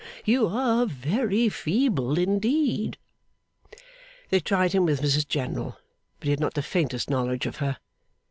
You are very feeble indeed.' They tried him with Mrs General, but he had not the faintest knowledge of her.